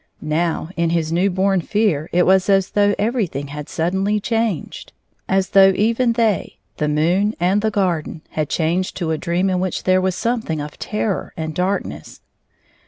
Now, in his new bom fear, it was as though everything had suddenly changed; as though even they — the moon and the garden — had changed to a dream in which there was something of terror and darkness.